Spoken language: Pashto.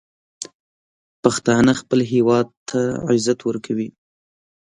پښتانه خپل هیواد ته عزت ورکوي.